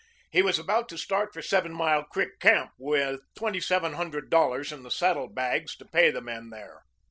He was about to start for Seven Mile Creek Camp with twenty seven hundred dollars in the saddlebags to pay the men there.